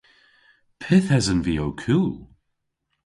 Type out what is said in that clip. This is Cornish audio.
Pyth esen vy ow kul?